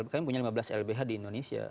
kami punya lima belas lbh di indonesia